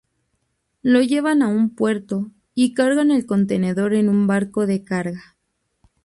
Lo llevan a un puerto, y cargan el contenedor en un barco de carga.